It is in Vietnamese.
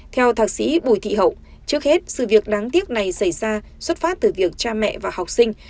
theo thạc sĩ bùi thị hậu trước hết sự việc đáng tiếc này xảy ra xuất phát từ việc cha mẹ và học sinh